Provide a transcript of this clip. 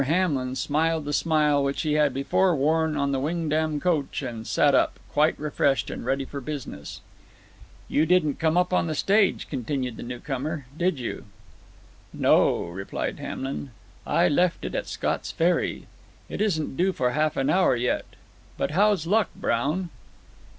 Hamlin smiled the smile which he had before worn on the Wingdam coach, and sat up, quite refreshed and ready for business. "You didn't come up on the stage," continued the newcomer, "did you?" "No," replied Hamlin; "I left it at Scott's Ferry. It isn't due for half an hour yet. But how's luck, Brown?"